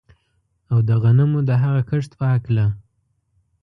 او د غنمو د هغه کښت په هکله